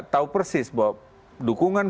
tahu persis bahwa dukungan